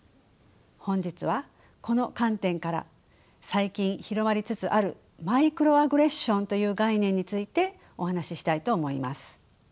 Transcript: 本日はこの観点から最近広まりつつあるマイクロアグレッションという概念についてお話ししたいと思います。